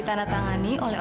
dan anak kamilah